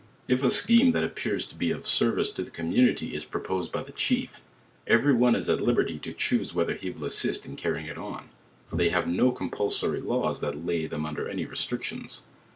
If a scheme that appears to be of service to the community is proposed by the chief, every one is at liberty to choose whether he will assist in carrying it on; for they have no compulsory laws that lay them under any restric tions.